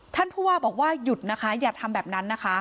ท่านผู้ว่าบอกว่าหยุดนะคะอย่าทำแบบนั้นนะคะ